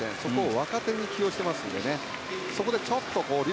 若手を起用していますからね。